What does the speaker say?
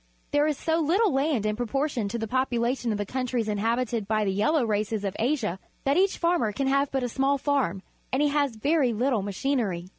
There is so little land in proportion to the population of the countries inhabited by the yellow races of Asia that each farmer can have but a small farm, and he has very little machinery.